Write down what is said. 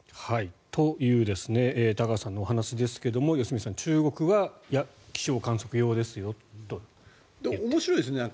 という高橋さんのお話ですが良純さん、中国は気象観測用ですよと言っている。